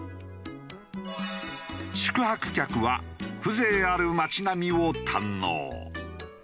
宿泊客は風情ある町並みを堪能。